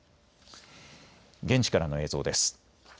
現地からの映像です。